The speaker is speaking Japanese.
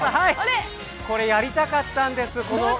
これやりたかったんです。